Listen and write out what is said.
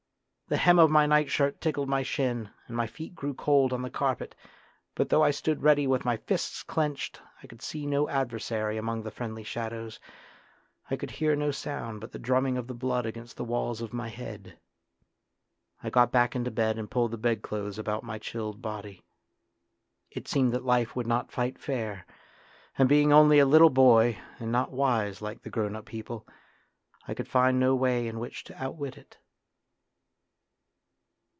The hem of my nightshirt tickled my shin and my feet grew cold on the carpet ; but though I stood ready with my fists clenched I could see no adversary among the friendly shadows, I could hear no sound but the drumming of the blood against the walls of my head. I got back into bed and pulled the bedclothes about my chilled body. It seemed that life would not fight fair, and being only a little boy and not wise like the grown up people, I could find no way in which to outwit it.